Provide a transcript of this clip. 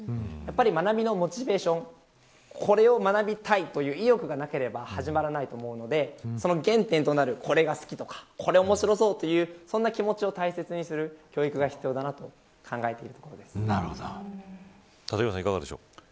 学びのモチベーションというのは意欲がなければ始まらないと思うのでその原点となる、これが好きとか面白そうという気持ちを大切にする教育が立岩さん、いかがですか。